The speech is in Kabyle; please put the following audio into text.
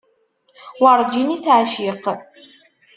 Werǧin i teεciq.